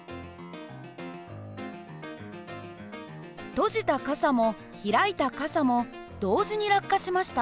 閉じた傘も開いた傘も同時に落下しました。